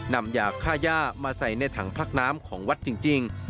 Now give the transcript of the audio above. นำยาค่าย่ามาใส่ในถังพลักน้ำของวัดจริง